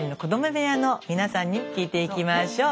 部屋の皆さんに聞いていきましょう！